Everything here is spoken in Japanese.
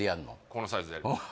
このサイズでやります